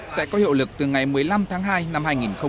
sẽ có hiệu lực từ ngày một mươi năm tháng hai năm hai nghìn hai mươi